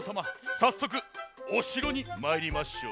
さっそくおしろにまいりましょう。